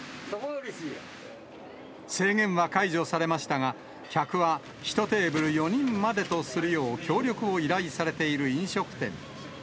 制限は解除されましたが、客は１テーブル４人までとするよう協力を依頼されている飲食店。